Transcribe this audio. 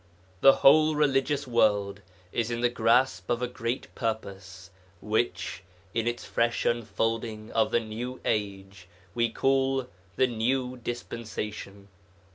The whole religious world is in the grasp of a great purpose which, in its fresh unfolding of the new age, we call the New Dispensation.